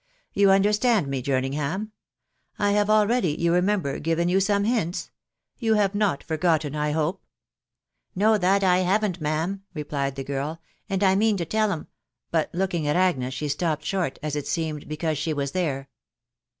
You understand me, Jerningham : I have already, you remember, given you some hints. ... You have not forgotten, I hope ?"" No, that I haven't, ma'am," replied the girl ;" and .... I mean to tell 'em ...." but looking at Agnes, she stopped short, as it seemed, because she was there.